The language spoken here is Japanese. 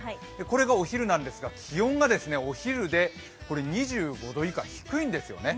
これがお昼なんですが、気温がお昼で２５度以下、低いんですよね。